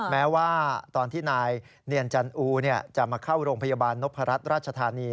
แม้ว่าตอนที่นายเนียนจันอูจะมาเข้าโรงพยาบาลนพรัชราชธานี